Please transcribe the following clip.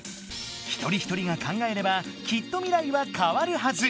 一人一人が考えればきっと未来はかわるはず。